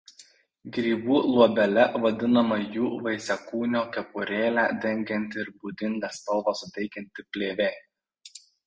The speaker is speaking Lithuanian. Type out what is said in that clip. Grybų luobele vadinama jų vaisiakūnio kepurėlę dengianti ir būdingą spalvą suteikianti plėvė.